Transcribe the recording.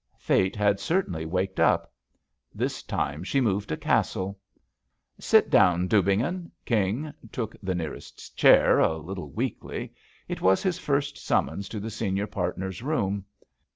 Fate had certainly waked up. This time she moved a castle. "Sit down, Dubignon." King took the nearest chair, a little weakly. It was his first summons to the senior partner's room.